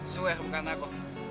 swear bukan aku